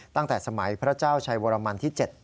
ตั้งแต่สมัยพระเจ้าชัยวรมันที่๗